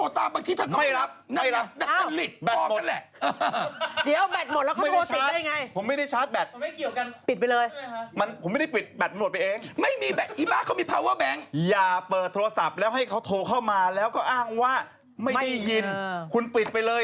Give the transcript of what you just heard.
ตั้งแต่เช้าตั้งแต่หัวข้ามจนถึงตีห้าเนี่ย